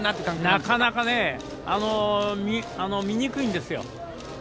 なかなか見にくいんですよ。